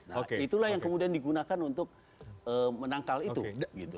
nah itulah yang kemudian digunakan untuk menangkal itu gitu